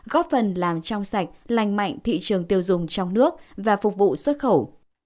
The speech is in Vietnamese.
góp phần làm trong sạch lành mạnh thị trường tiêu dùng trong nước và phục vụ xuất khẩu